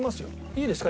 いいですか？